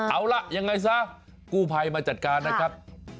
เอาล่ะยังไงซะกู้ภัยมาจัดการนะครับ